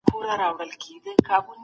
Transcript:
دوی نسي کولای چي د اقتصاد مخه ونیسي.